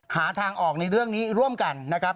หาทางออกในเรื่องนี้ร่วมกันนะครับ